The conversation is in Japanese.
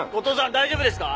大丈夫ですか？